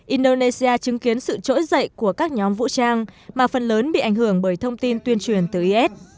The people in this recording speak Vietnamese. indonesia chứng kiến sự trỗi dậy của các nhóm vũ trang mà phần lớn bị ảnh hưởng bởi thông tin tuyên truyền từ is